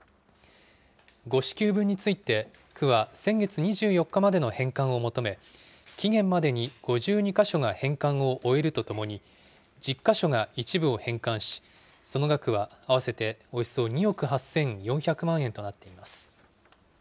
誤支給分について区は先月２４日までの返還を求め、期限までに５２か所が返還を終えるとともに、１０か所が一部を返還し、その額は合わせておよそ２億８４００万円となっています。